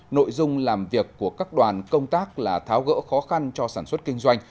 nội dung làm việc của các đoàn công tác là tháo gỡ khó khăn cho sản xuất kinh doanh